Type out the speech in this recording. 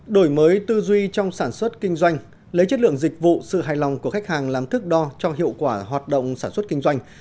đổi mới tư duy trong sản xuất kinh doanh lấy chất lượng dịch vụ sự hài lòng của khách hàng làm thức đo cho hiệu quả hoạt động sản xuất kinh doanh